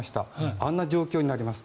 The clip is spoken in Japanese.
あんな状況になります。